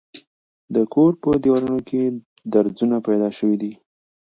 د کور په دېوالونو کې درځونه پیدا شوي دي.